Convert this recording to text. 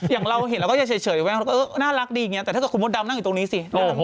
อย่างเราเห็นเราก็เฉยอยู่ไว้นะรักดีแต่ถ้าคุณมดดำนั่งอยู่ตรงนี้สิ